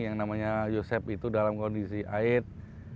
yang namanya yosep itu dalam kondisi aid